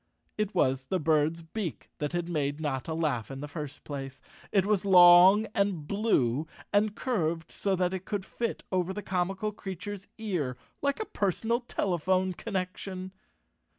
It was the bird's beak that had made Notta laugh in the first place. It was long and blue, and curved so that it could fit over the comical creature's ear like a personal telephone connection.